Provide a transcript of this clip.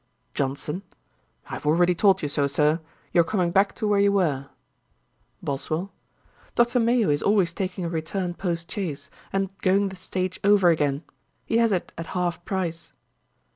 JOHNSON. 'I have already told you so, Sir. You are coming back to where you were,' BOSWELL. 'Dr. Mayo is always taking a return post chaise, and going the stage over again. He has it at half price.'